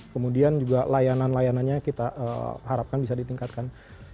kemudian juga layanan layanannya kita harapkan bisa ditingkatkan